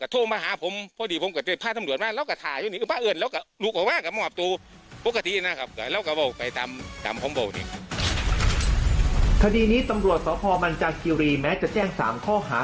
คดีนี้ตำรวจสพมันจากคิรีแม้จะแจ้ง๓ข้อหา